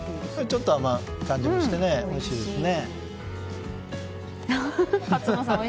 ちょっと甘い感じでおいしいですね。